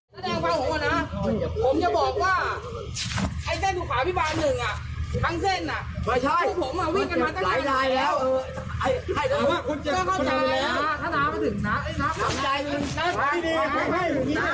แสดงภาวของผมนะผมจะบอกว่า